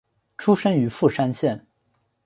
出身于富山县。